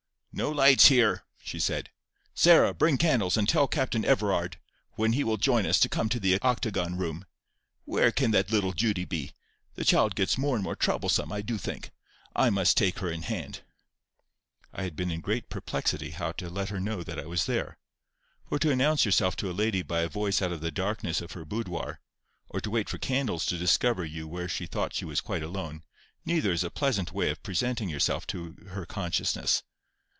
"No lights here!" she said. "Sarah, bring candles, and tell Captain Everard, when he will join us, to come to the octagon room. Where can that little Judy be? The child gets more and more troublesome, I do think. I must take her in hand." I had been in great perplexity how to let her know that I was there; for to announce yourself to a lady by a voice out of the darkness of her boudoir, or to wait for candles to discover you where she thought she was quite alone—neither is a pleasant way of presenting yourself to her consciousness.